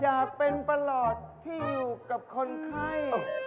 อยากเป็นประหลอดที่อยู่กับคนไข้